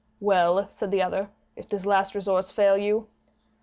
"Well," said the other, "if this last resource fail you?"